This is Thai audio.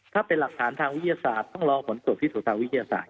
ถ้าเป็นหลักฐานทางวิทยาศาสตร์ต้องรอผลตรวจพิสูจน์ทางวิทยาศาสต